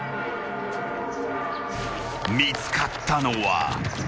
［見つかったのは］